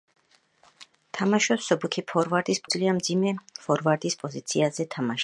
თამაშობს მსუბუქი ფორვარდის პოზიციაზე, თუმცა შეუძლია მძიმე ფორვარდის პოზიციაზე თამაშიც.